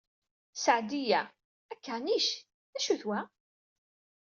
Seɛdiya: Akanic? D acu-t wa?